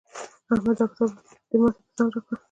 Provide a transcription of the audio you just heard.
احمده دا کتاب دې ما ته په ځان راکړه.